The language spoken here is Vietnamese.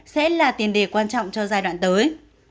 sẽ là tiền đề quan trọng cho giai đoạn tới